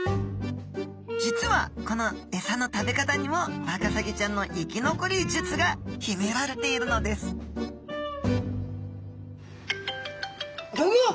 実はこのエサの食べ方にもワカサギちゃんの生き残り術がひめられているのですギョギョッ！